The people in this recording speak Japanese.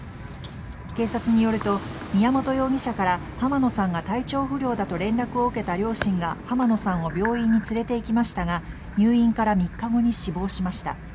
警察によると宮本容疑者から濱野さんが体調不良だと連絡を受けた両親が濱野さんを病院に連れて行きましたが入院から３日後に死亡しました。